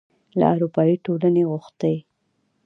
له اروپايي ټولنې غوښتي